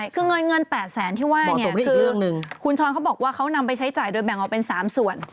คือเงินเงิน๘แสนที่ว่าเนี่ยคือคุณช้อนเขาบอกว่าเขานำไปใช้จ่ายโดยแบ่งออกเป็น๓ส่วน